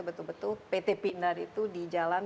betul betul pt pindad itu di jalan